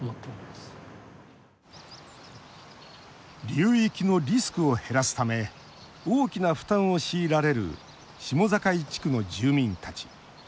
流域のリスクを減らすため大きな負担を強いられる下境地区の住民たち。